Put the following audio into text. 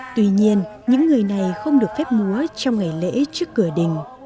tuy nhiên những người này không được phép múa trong ngày lễ trước cửa đình